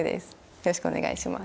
よろしくお願いします。